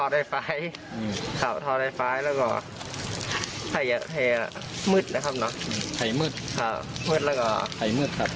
และก็จ่ายจะไปก็เข้าไป